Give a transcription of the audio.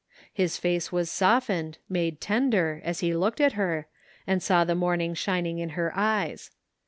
His face was softened, made tender, as he looked at her, and saw the morn ing shining in her eyes.